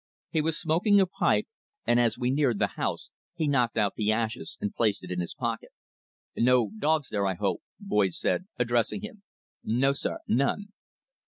He was smoking a pipe, and as we neared the house he knocked out the ashes and placed it in his pocket. "No dogs there, I hope?" Boyd said, addressing him. "No, sir. None."